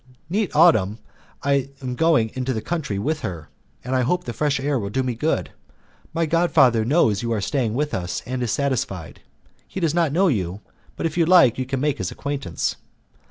Next autumn I am going into the country with her, and I hope the fresh air will do me good. My god father knows you are staying with us and is satisfied. He does not know you, but if you like you can make his acquaintance."